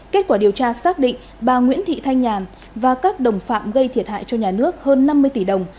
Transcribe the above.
kết quả điều tra xác định bà nguyễn thị thanh nhàn và các đồng phạm gây thiệt hại cho nhà nước hơn năm mươi tỷ đồng